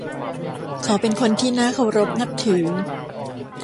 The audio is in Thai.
เขาเป็นคนที่น่าเคารพนับถือ